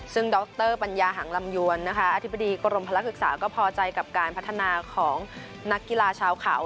ซึ่งดรปัญญาหังลำยวนอธิบดีกรมพลักษึกษาก็พอใจกับการพัฒนาของนักกีฬาชาวเขา